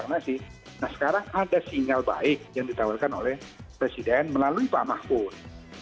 karena sih nah sekarang ada sinyal baik yang ditawarkan oleh presiden melalui pak mahfuz